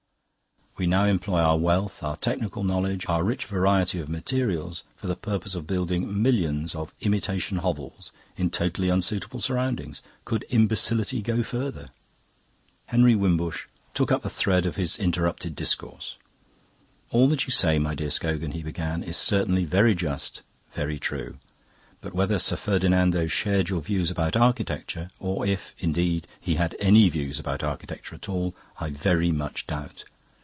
We now employ our wealth, our technical knowledge, our rich variety of materials for the purpose of building millions of imitation hovels in totally unsuitable surroundings. Could imbecility go further?" Henry Wimbush took up the thread of his interrupted discourse. "All that you say, my dear Scogan," he began, "is certainly very just, very true. But whether Sir Ferdinando shared your views about architecture or if, indeed, he had any views about architecture at all, I very much doubt.